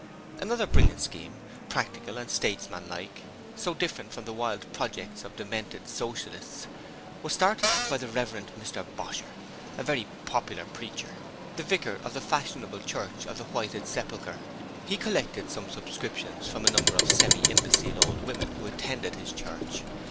Another brilliant scheme, practical and statesmanlike, so different from the wild projects of demented Socialists, was started by the Rev. Mr Bosher, a popular preacher, the Vicar of the fashionable Church of the Whited Sepulchre. He collected some subscriptions from a number of semi imbecile old women who attended his church.